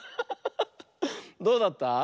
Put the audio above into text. どうだった？